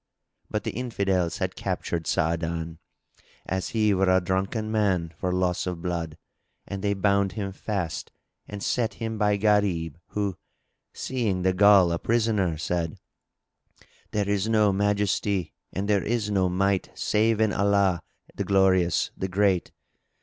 But the Infidels had captured Sa'adan, as he were a drunken man for loss of blood; and they bound him fast and set him by Gharib who, seeing the Ghul a prisoner, said, "There is no Majesty and there is no Might save in Allah, the Glorious, the Great!